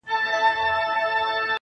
خو د دوی د پاچهۍ نه وه رنګونه!.